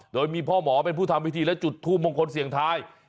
โดยมีพ่อหมอเป็นผู้ทำพิธีและจุดทูปมงคลเสียงทาย